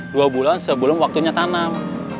dua bulan sebelum waktunya tanam